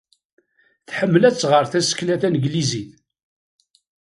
Tḥemmel ad tɣer tasekla tanglizit.